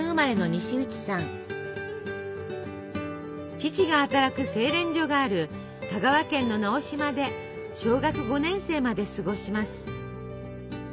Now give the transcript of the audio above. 父が働く精錬所がある香川県の直島で小学５年生まで過ごします。